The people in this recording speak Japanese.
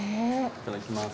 いただきます。